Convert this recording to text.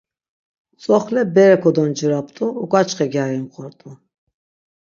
Tzoxle bere kodoncirap̆t̆u uk̆açxe gyari imxort̆u.